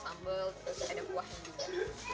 sekarang sudah ada bumbunya